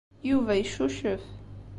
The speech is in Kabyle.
Yuba yeccucef.